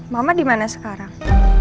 mama dimana sekarang